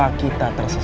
aku akan menemukanmu